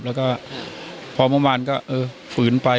แล้วก็พอเมื่อวานก็เออฝืนไป